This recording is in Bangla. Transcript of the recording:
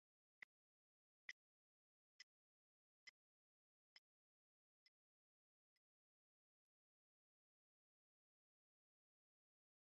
ঢাকায় অনুষ্ঠিত এপিএমওতে সারা দেশ থেকে আসা প্রাক্-বিশ্ববিদ্যালয় পর্যায়ের শিক্ষার্থীরা অংশগ্রহণ করেন।